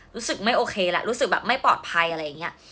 รู้สึกไม่โอเคแหละรู้สึกแบบไม่ปลอดภัยอะไรอย่างนี้